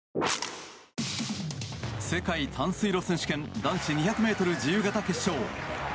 世界短水路選手権男子２００ｍ自由形決勝。